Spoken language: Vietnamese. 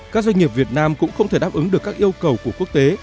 các doanh nghiệp việt nam cũng không thể đáp ứng được các yêu cầu của quốc tế